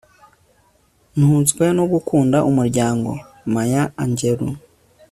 ntunzwe no gukunda umuryango. - maya angelou